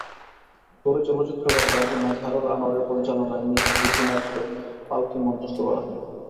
পরে চলচ্চিত্রকার গাজী মাজহারুল আনোয়ারের পরিচালনায় গীতি নাট্য পালকি মঞ্চস্থ করা হয়।